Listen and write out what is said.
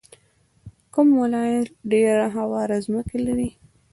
کوم ولایت ډیره هواره ځمکه لري؟